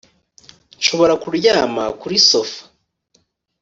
Nshobora kuryama kuri sofa